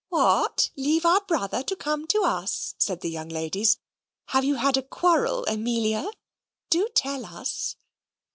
"What! leave our brother to come to us?" said the young ladies. "Have you had a quarrel, Amelia? Do tell us!"